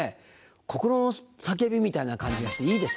心の叫びみたいな感じがしていいですね！